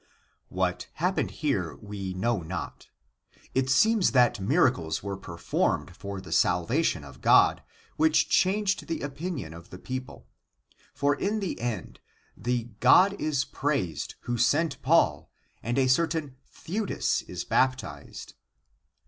... (What happened here we know not. It seems that miracles were performed for the salvation of Paul, which changed the opinion of the people. For in the end the) " God is praised, who sent Paul, and a certain Theudes is baptized."